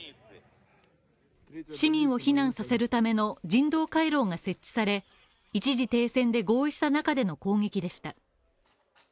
市民を避難させるための人道回廊が設置され一時停戦で合意した中での攻撃でした。